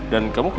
dan kamu kemana